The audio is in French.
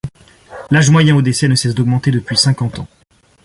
L’âge moyen au décès ne cesse d’augmenter depuis cinquante ans.